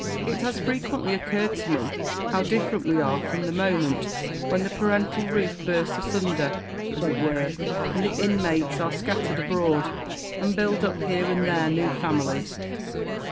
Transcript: It has frequently occurred to me how different we are from the moment when the parental roof bursts asunder, as it were, and the inmates are scattered abroad, and build up here and there new families.